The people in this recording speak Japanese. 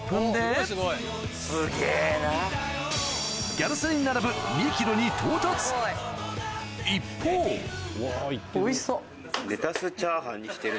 ギャル曽根に並ぶ２ｋｇに到達一方おいしそう。